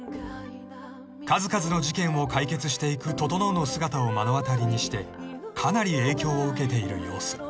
［数々の事件を解決していく整の姿を目の当たりにしてかなり影響を受けている様子］